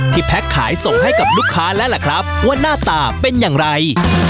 แพ็คขายส่งให้กับลูกค้าแล้วล่ะครับว่าหน้าตาเป็นอย่างไร